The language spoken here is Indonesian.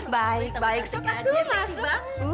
baik baik sok aku masuk